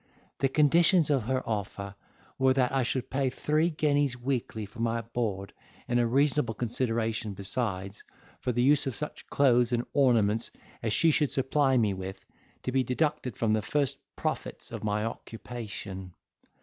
The conditions of her offer were, that I should pay three guineas weekly for my board, and a reasonable consideration besides, for the use of such clothes and ornaments as she should supply me with, to be deducted from the first profits of my occupation.